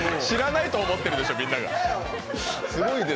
知らないと思ってるでしょみんなが。